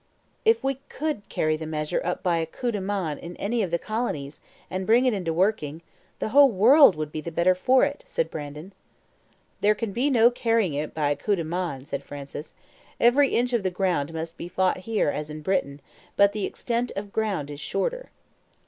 "If we could carry the measure by a COUP DE MAIN in any one of the colonies, and bring it into working, the whole world would be the better for it," said Brandon. "There can be no carrying it by a COUP DE MAIN," said Francis. "Every inch of the ground must be fought here, as in Britain, but the extent of ground is shorter."